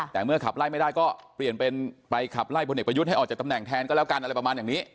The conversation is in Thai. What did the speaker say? แต่เมื่อขับไล่ไม่ได้ก็เปลี่ยนเป็นไปขับไล่พลเอกประยุทธ์ให้ออกจากตำแหน่งแทนก็แล้วกันอะไรประมาณอย่างนี้